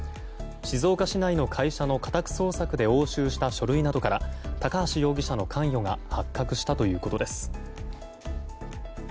静岡市内の会社の家宅捜索で押収した書類などから高橋容疑者の関与が発覚したということです。